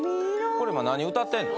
これ今何歌ってんの？